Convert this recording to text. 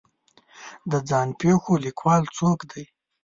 د ځان پېښو لیکوال څوک دی